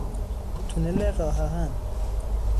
تونل راهآهن